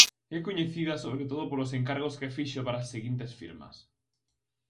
É coñecida sobre todo polos encargos que fixo para as seguintes firmas.